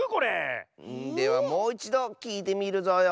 ではもういちどきいてみるぞよ。